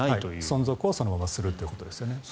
存続をそのままするということです。